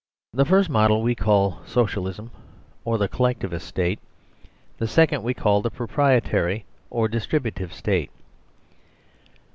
The first model we call Socialism or the Collec tivist State ; the second we call the Proprietary or Distributive State.